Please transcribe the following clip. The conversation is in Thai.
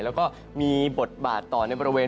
แล้วก็มีบทบาทต่อในบริเวณ